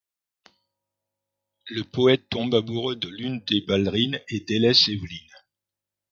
Le Poète tombe amoureux de l'une des ballerines et délaisse Évelyne.